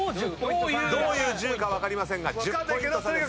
どういう１０かは分かりませんが１０ポイント差です。